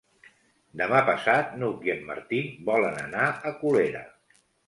Demà passat n'Hug i en Martí volen anar a Colera.